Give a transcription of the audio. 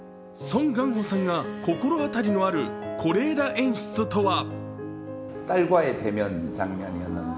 ソン・ガンホさんが心当たりのある是枝演出とは？